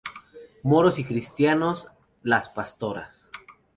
Moros y Cristianos, Las Pastoras.